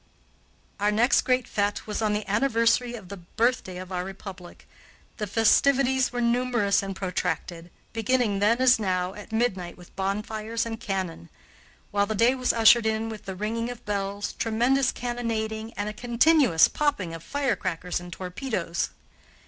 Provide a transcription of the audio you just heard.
Our next great fête was on the anniversary of the birthday of our Republic. The festivities were numerous and protracted, beginning then, as now, at midnight with bonfires and cannon; while the day was ushered in with the ringing of bells, tremendous cannonading, and a continuous popping of fire crackers and torpedoes.